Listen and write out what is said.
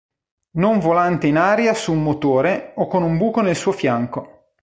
Non volante in aria su un motore o con un buco nel suo fianco.